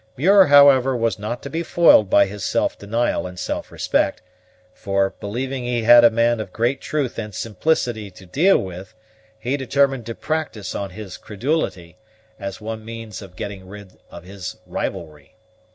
Muir, however, was not to be foiled by this self denial and self respect; for, believing he had a man of great truth and simplicity to deal with, he determined to practise on his credulity, as one means of getting rid of his rivalry.